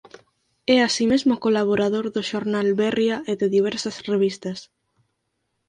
É así mesmo colaborador do xornal Berria e de diversas revistas.